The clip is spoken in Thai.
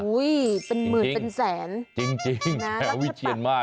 เป็นหมื่นเป็นแสนจริงแถววิเชียนมาก